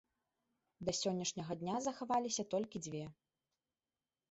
Да сённяшняга дня захаваліся толькі дзве.